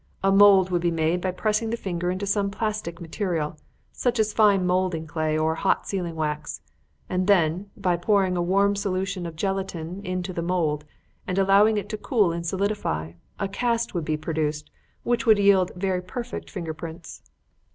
A mould would be made by pressing the finger into some plastic material, such as fine modelling clay or hot sealing wax, and then, by pouring a warm solution of gelatine into the mould, and allowing it to cool and solidify, a cast would be produced which would yield very perfect finger prints.